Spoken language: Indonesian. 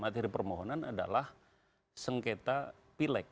materi permohonan adalah sengketa pilek